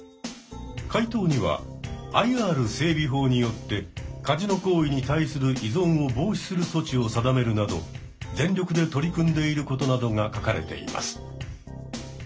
回答にはＩＲ整備法によってカジノ行為に対する依存を防止する措置を定めるなど全力で取り組んでいることなどが書かれています。